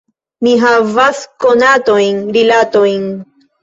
Mi havas konatojn, rilatojn.